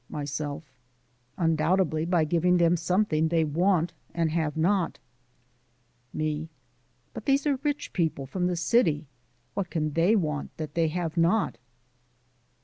MYSELF: Undoubtedly by giving them something they want and have not. ME: But these are rich people from the city; what can they want that they have not?